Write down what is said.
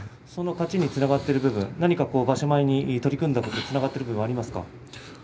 勝ちにつながっている分場所前に取り組んだことつながっていることはありますか。